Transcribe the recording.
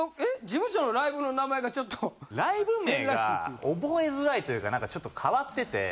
事務所のライブの名前がちょっと珍しい。というか何かちょっと変わってて。